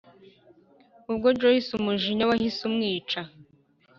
ubwo joyce umujinya wahise umwica